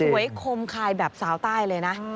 คมคายแบบสาวใต้เลยนะ